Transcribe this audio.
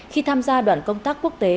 khi tham gia đoạn công tác quốc tế